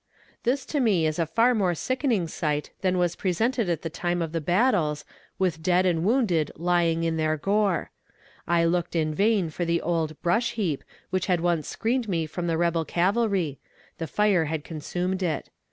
This to me was a far more sickening sight than was presented at the time of the battles, with dead and wounded lying in their gore. I looked in vain for the old "brush heap" which had once screened me from the rebel cavalry; the fire had consumed it.